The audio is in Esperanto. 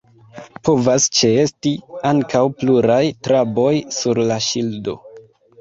Povas ĉeesti ankaŭ pluraj traboj sur la ŝildo.